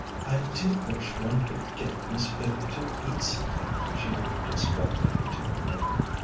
"I do wish one could get Miss Vivian to eat something," she murmured distractedly to her neighbour.